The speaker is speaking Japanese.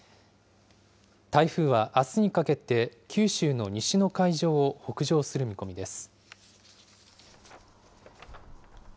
台風はあすにかけて、九州の西の海上を北上する見込みです。